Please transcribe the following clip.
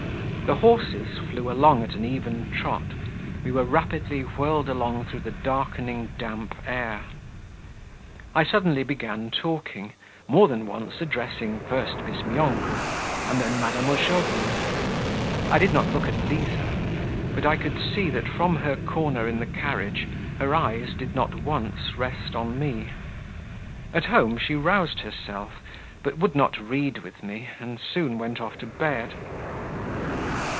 The horses flew along at an even trot; we were rapidly whirled along through the darkening, damp air. I suddenly began talking, more than once addressing first Bizmyonkov, and then Madame Ozhogin. I did not look at Liza, but I could see that from her corner in the carriage her eyes did not once rest on me. At home she roused herself, but would not read with me, and soon went off to bed.